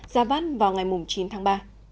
ra văn vào ngày chín tháng ba